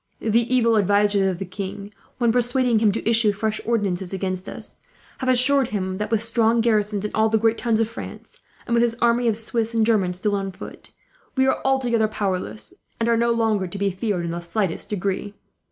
The evil advisers of the king, when persuading him to issue fresh ordinances against us, have assured him that with strong garrisons in all the great towns in France, and with his army of Swiss and Germans still on foot, we are altogether powerless; and are no longer to be feared, in the slightest degree.